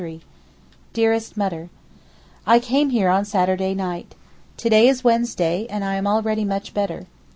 DEAREST MUTTER, I came here on Saturday night. To day is Wednesday, and I am already much better.